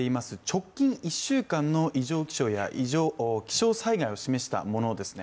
直近１週間の異常気象や気象災害を示したものです。